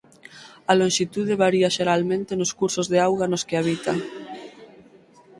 A lonxitude varía xeralmente nos cursos de auga nos que habita.